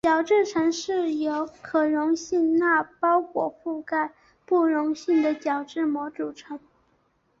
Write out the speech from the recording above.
角质层是由可溶性蜡包裹覆盖不溶性的角质膜组成。